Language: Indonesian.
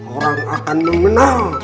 orang akan mengenal